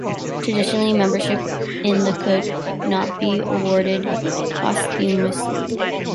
Traditionally membership in the could not be awarded posthumously.